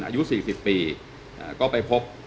อายุ๔๐ปีก็ไปพบ